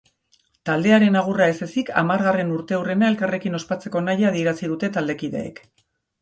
Taldearen agurra ez ezik, hamargarren urteurrena elkarrekin ospatzeko nahia adierazi dute taldekideek.